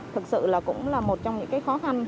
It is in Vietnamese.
thực sự là cũng là một trong những cái khó khăn